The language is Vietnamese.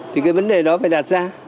thì cái vấn đề đó phải đạt ra